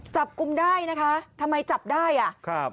จับกลุ่มได้นะคะทำไมจับได้อ่ะครับ